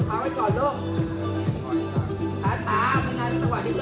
อาหาร